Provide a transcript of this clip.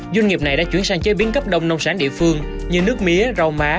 doanh nghiệp này đã chuyển sang chế biến cấp đông nông sản địa phương như nước mía rau má